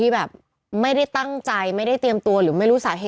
ทำงานครบ๒๐ปีได้เงินชดเฉยเลิกจ้างไม่น้อยกว่า๔๐๐วัน